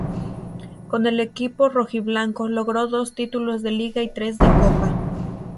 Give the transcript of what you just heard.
Con el equipo rojiblanco logró dos títulos de Liga y tres de Copa.